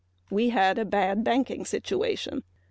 We had a bad banking situation.